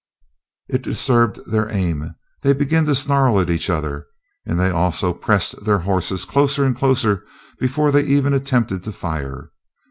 It disturbed their aim. They began to snarl at each other, and they also pressed their horses closer and closer before they even attempted to fire.